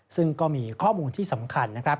ซึ่งก็มีข้อมูลที่สำคัญนะครับ